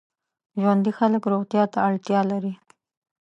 ژوندي خلک روغتیا ته اړتیا لري